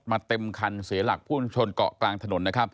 มาเต็มคันเสียหลักผู้ชนเกาะกลางถนน